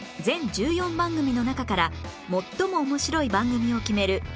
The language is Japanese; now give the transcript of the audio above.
全１４番組の中から最も面白い番組を決める